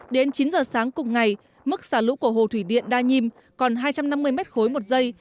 đến chín h sáng cùng ngày mức xả lũ của hồ thủy điện đa nhiêm còn hai trăm năm mươi m ba